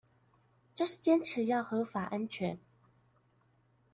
就是堅持要合法安全